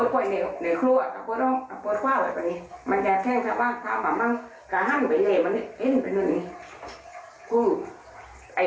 คือไอ้มันเองเข้าห้องน้ำที่